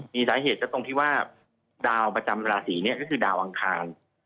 มีสาเหตุก็ตรงที่ว่าดาวประจำราศีนี้ก็คือดาวอังคาร